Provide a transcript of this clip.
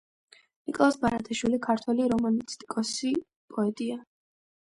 ნიკოლოზ ბარათაშვილი ქართველი რომანტიკოსი პოეტია.